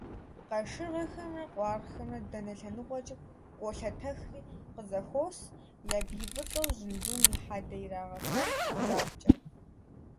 Къашыргъэхэмрэ къуаргъхэмрэ дэнэ лъэныкъуэкӀи къолъэтэхри къызэхуос, я бий фӀыцӀэу жьындум и хьэдэ ирагъэхуэн мурадкӀэ.